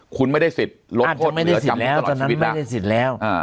คุณไม่ได้สิทธิ์ลดโทษเหลือจำนวนตลอดชีวิตแล้ว